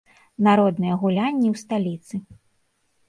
Народныя гулянні ў сталіцы.